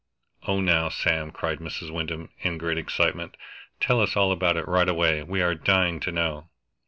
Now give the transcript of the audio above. "Oh now, Sam," cried Mrs. Wyndham, in great excitement, "tell us all about it right away. We are dying to know!"